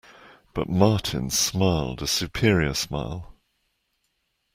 But Martin smiled a superior smile.